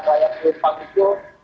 di jalan raya ke depan itu